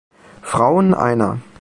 Frauen Einer.